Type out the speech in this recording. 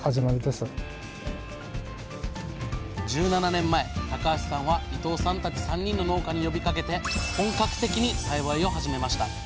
１７年前高橋さんは伊藤さんたち３人の農家に呼びかけて本格的に栽培を始めました。